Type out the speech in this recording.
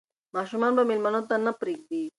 ماشومان به مېلمنو ته نه پرېږدي.